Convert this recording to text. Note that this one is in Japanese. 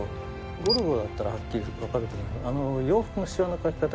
『ゴルゴ』だったらはっきりわかると思う。